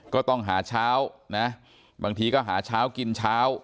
ก็ต้องหาเช้านะบางทีก็หาเช้ากินเช้า